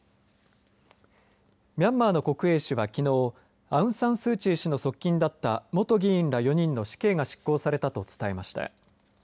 ミャンマーの国営紙はきのうアウン・サン・スー・チー氏の側近だった元議員ら４人の死刑が執行されたと伝えました。